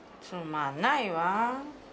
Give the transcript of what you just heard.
つまんないわ。